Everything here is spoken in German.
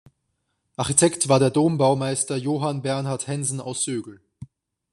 Architekt war der Dombaumeister Johann Bernhard Hensen aus Sögel.